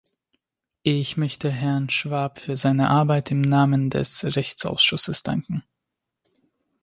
Ich möchte Herrn Schwab für seine Arbeit im Namen des Rechtsausschusses danken.